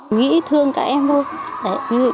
nghĩ thương cả em thôi